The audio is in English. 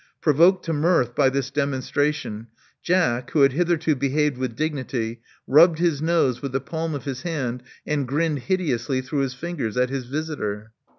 Provoked to mirth by this demonstration, Jack, who had hitherto behaved with dignity, rubbed his nose with the palm of his hand, and grinned hideously through his fingers at his visitor.